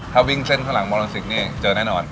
ถ้าวิ่งเส้นข้างหลังมอลสิกนี่เจอแน่นอน